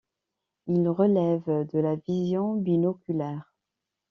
Ils relèvent de la vision binoculaire.